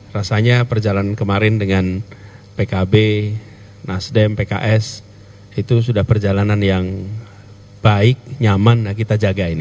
rasanya perjalanan kemarin dengan pkb nasdem pks itu sudah perjalanan yang baik nyaman kita jaga ini